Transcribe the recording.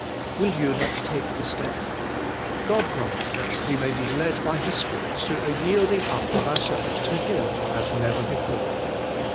Will you not take the step? God grant that we may be led by His Spirit to a yielding up of our selves to Him as never before.